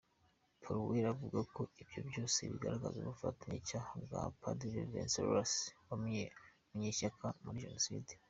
Paruelle avuga ko ibyo byose bigaragaza ubufatanyacyaha bwa Padiri Wenceslas Munyeshyaka muri Jenoside.